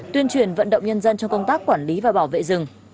tuyên truyền vận động nhân dân trong công tác quản lý và bảo vệ rừng